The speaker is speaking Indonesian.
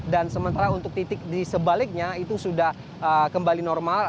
dan sementara untuk titik di sebaliknya itu sudah kembali normal